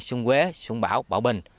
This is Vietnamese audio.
xuân quế xuân bảo bảo bình